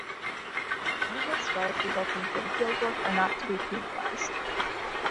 Honorable scars resulting from field work are not to be penalized.